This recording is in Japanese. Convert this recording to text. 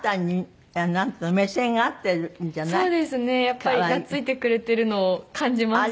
やっぱり懐いてくれてるのを感じます。